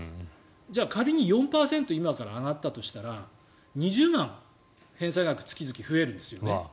じゃあ仮に４％今から上がったとしたら２０万円、返済額が月々増えるんですよね。